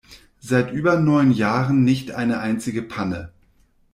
Seit über neun Jahren nicht eine einzige Panne.